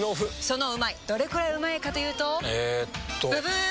そのうまいどれくらいうまいかというとえっとブブー！